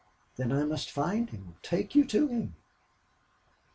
"Then I must find him take you to him."